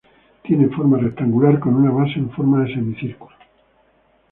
Tiene forma rectangular con una base en forma de semicírculo.